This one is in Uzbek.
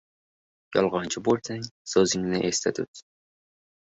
Yolg‘onchi bo‘lsang, so‘zingni esda tut.